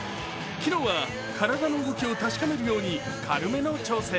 昨日は体の動きを確かめるように軽めの調整。